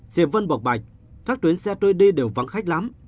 chị vân bọc bạch các tuyến xe tôi đi đều vắng khách lắm